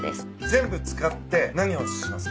全部使って何をします？